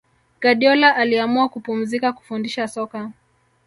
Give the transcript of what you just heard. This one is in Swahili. guardiola aliamua kupumzika kufundisha soka